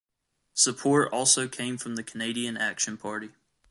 Support also came from the Canadian Action Party.